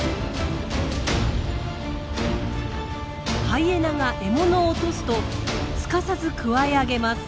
ハイエナが獲物を落とすとすかさずくわえ上げます。